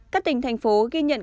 các tỉnh thành phố ghi nhận